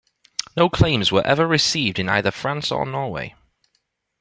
No claims were ever received in either France or Norway.